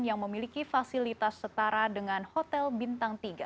yang memiliki fasilitas setara dengan hotel bintang tiga